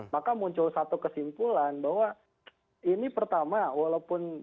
maka muncul satu kesimpulan bahwa ini pertama walaupun